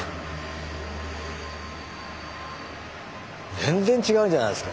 全然違うじゃないですか。